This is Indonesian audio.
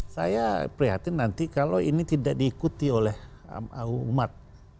saya prihatin nanti kalau ini tidak diikuti oleh umat